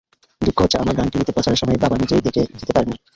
দুঃখ হচ্ছে, আমার গান টিভিতে প্রচারের সময় বাবা নিজে দেখে যেতে পারেননি।